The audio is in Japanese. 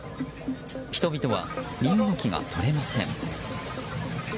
人々は身動きが取れません。